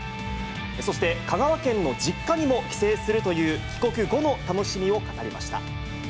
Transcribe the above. そして、香川県の実家にも帰省するという帰国後の楽しみを語りました。